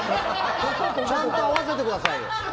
ちゃんと合わせてくださいよ。